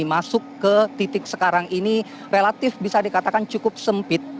masuk ke titik sekarang ini relatif bisa dikatakan cukup sempit